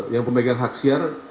yang pemegang haksiar